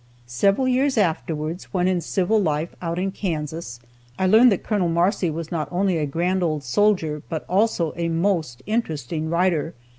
Several years afterwards, when in civil life out in Kansas, I learned that Col. Marcy was not only a grand old soldier, but also a most interesting writer.